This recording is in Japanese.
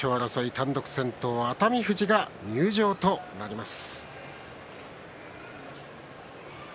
単独先頭の熱海富士が入場となります。